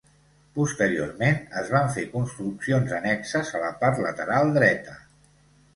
Posteriorment es van fer construccions annexes a la part lateral dreta.